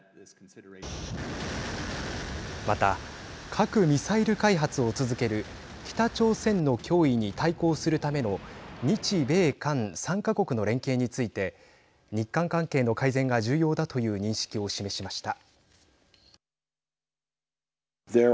また、核・ミサイル開発を続ける北朝鮮の脅威に対抗するための日米韓３か国の連携について日韓関係の改善が重要だという認識を示しました。